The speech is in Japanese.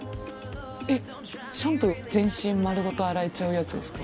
えっシャンプー全身丸ごと洗えちゃうやつですか？